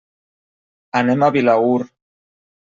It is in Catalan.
Anem a Vilaür.